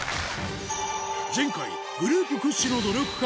前回グループ屈指の努力家